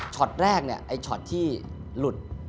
ตอนแรกเนี่ยไอ้ช็อตที่หลุด